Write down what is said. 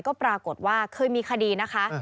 ก็ปรากฏว่าเคยมีคดีนะคะ